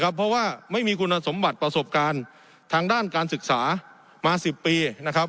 เพราะว่าไม่มีคุณสมบัติประสบการณ์ทางด้านการศึกษามา๑๐ปีนะครับ